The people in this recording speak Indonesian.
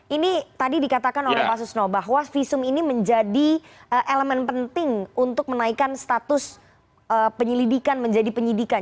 ini tadi dikatakan oleh pak susno bahwa visum ini menjadi elemen penting untuk menaikkan status penyelidikan menjadi penyidikan